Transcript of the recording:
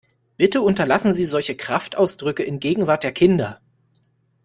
Bitte unterlassen sie solche Kraftausdrücke in Gegenwart der Kinder!